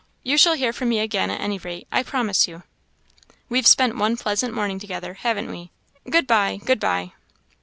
You shall hear from me again at any rate, I promise you. We've spent one pleasant morning together, haven't we? Good bye, good bye."